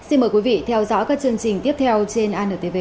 xin mời quý vị theo dõi các chương trình tiếp theo trên antv